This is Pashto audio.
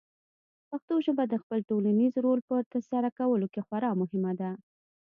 پښتو ژبه د خپل ټولنیز رول په ترسره کولو کې خورا مهمه ده.